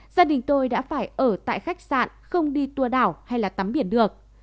gia đình tôi đã phải ở tại khách sạn không đi tour đảo hay là tắm biển được